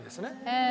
へえ。